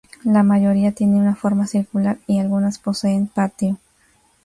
La mayoría tienen una forma circular y algunas poseen patio.